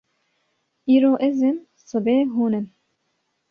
Îro ez im sibê hûn in